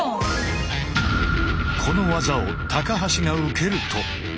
この技を橋が受けると。